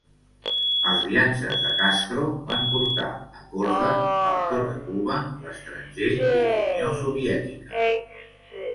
Els viatges de Castro van portar a Korda per tota Cuba, l'estranger i la Unió Soviètica.